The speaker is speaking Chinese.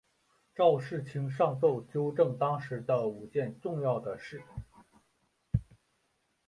赵世卿上奏纠正当时的五件重要的事。